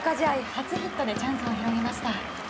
初ヒットでチャンスを広げました。